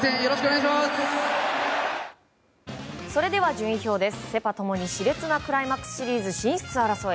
順位表です。